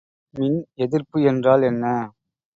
மின் எதிர்ப்பு என்றால் என்ன?